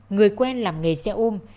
người quen làm nghề xe ôm